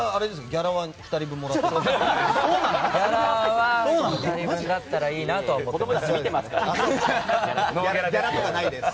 ギャラは２人分だったらいいなと思っています。